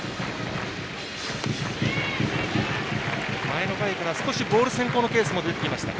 前の回から少しボール先行のケースも出てきました。